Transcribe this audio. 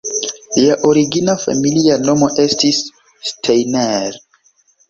Lia origina familia nomo estis "Steiner".